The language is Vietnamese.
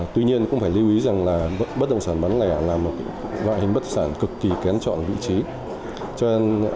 tuy nhiên cũng phải lưu ý rằng bất động sản bán lẻ là một loại hình bất động sản cực kỳ kén trọn vị trí